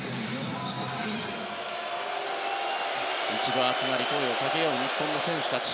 一度集まり声をかけ合った日本の選手たち。